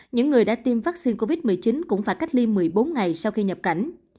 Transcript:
những người đã tiêm vaccine covid một mươi chín cũng phải cách ly một mươi bốn ngày sau khi nhập cảnh